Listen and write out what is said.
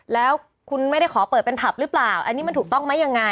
แล้วคุณไม่ได้ขอเปิดเป็นผับหรือเปล่าอันนี้มันถูกต้องไหมยังไง